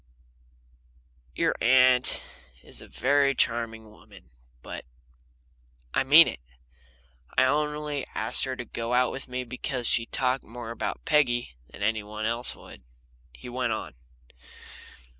Your aunt's a very charming woman, but I mean it. I only asked her to go out with me because she talked more about Peggy than anybody else would," he went on.